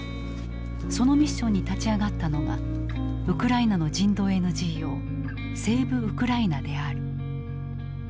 そのミッションに立ち上がったのがウクライナの人道ＮＧＯセーブ・ウクライナである。